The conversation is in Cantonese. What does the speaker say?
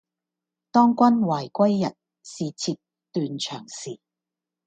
當君懷歸日，是妾斷腸時